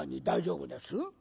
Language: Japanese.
大丈夫です？